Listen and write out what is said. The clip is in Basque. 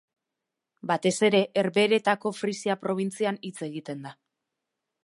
Batez ere Herbehereetako Frisia probintzian hitz egiten da.